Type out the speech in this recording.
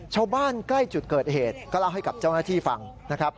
ชาวบ้านใกล้จุดเกิดเหตุก็เล่าให้กับเจ้าหน้าที่ฟังนะครับ